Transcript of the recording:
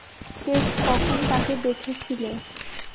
শেষ কখন তাকে দেখেছিলে?